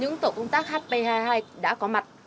những tổ công tác hp hai mươi hai đã có mặt